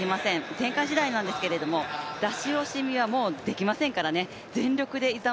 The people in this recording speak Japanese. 展開次第なんですけれども出し惜しみはもうできませんからね。